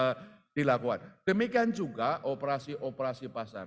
sudah dilakukan demikian juga operasi operasi pasar